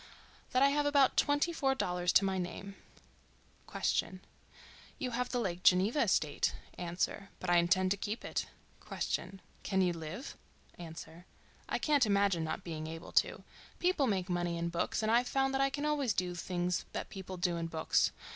—That I have about twenty four dollars to my name. Q.—You have the Lake Geneva estate. A.—But I intend to keep it. Q.—Can you live? A.—I can't imagine not being able to. People make money in books and I've found that I can always do the things that people do in books.